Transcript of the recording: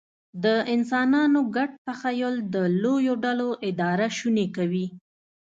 د انسانانو ګډ تخیل د لویو ډلو اداره شونې کوي.